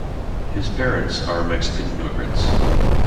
His parents are Mexican immigrants.